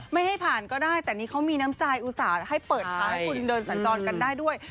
ไม่ให้ผ่านก็ได้แต่นี่เขามีน้ำใจอุตส่าห์ให้เปิดทางให้คุณเดินสัญจรกันได้ด้วย